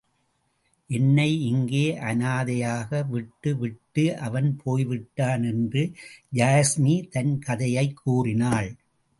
என்னை இங்கே அனாதையாக விட்டு விட்டு அவன் போய்விட்டான் என்று யாஸ்மி தன் கதையைக் கூறினாள்.